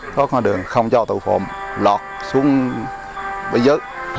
khó khăn đường không cho tội phạm lọt xuống bây giờ